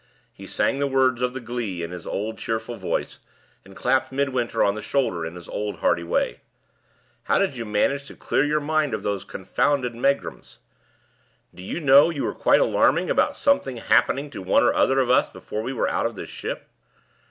He sang the words of the glee in his old, cheerful voice, and clapped Midwinter on the shoulder in his old, hearty way. "How did you manage to clear your head of those confounded megrims? Do you know you were quite alarming about something happening to one or other of us before we were out of this ship?"